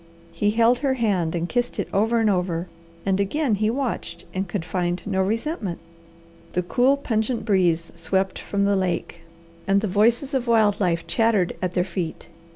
He held her hand and kissed it over and over, and again he watched and could find no resentment. The cool, pungent breeze swept from the lake, and the voices of wild life chattered at their feet.